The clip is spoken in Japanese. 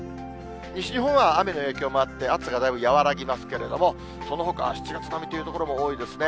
西日本は雨の影響もあって、暑さがだいぶ和らぎますが、そのほかは７月並みの所も多いですね。